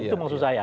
itu maksud saya